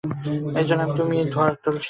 এজন্য আমি চাই তুমি ধোয়ার নমুনা সংগ্রহ কর।